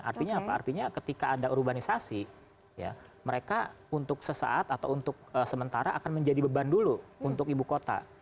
artinya apa artinya ketika ada urbanisasi ya mereka untuk sesaat atau untuk sementara akan menjadi beban dulu untuk ibu kota